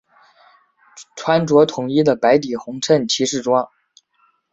穿着统一的白底红衬骑士装。